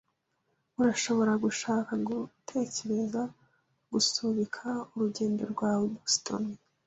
Urashobora gushaka gutekereza gusubika urugendo rwawe i Boston.